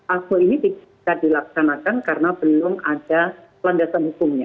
asur ini tidak dilaksanakan karena belum ada landasan hukumnya